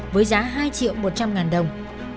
với giá hai triệu một trăm linh ngàn đồng